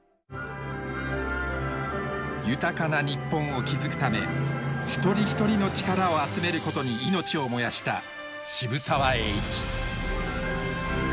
豊かな日本を築くため一人一人の力を集めることに命を燃やした渋沢栄一。